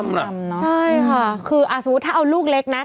รำเนอะใช่ค่ะคือสมมุติถ้าเอาลูกเล็กนะ